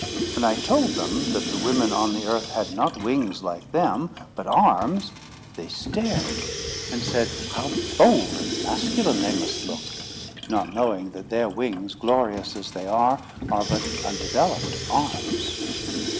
When I told them that the women on the Earth had not wings like them, but arms, they stared, and said how bold and masculine they must look; not knowing that their wings, glorious as they are, are but undeveloped arms.